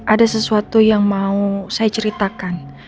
ada sesuatu yang mau saya ceritakan